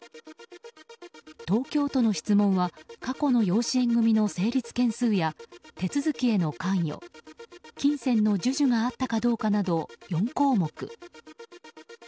東京都の質問は過去の養子縁組の成立件数や手続きへの関与金銭の授受があったかどうかなど４項目。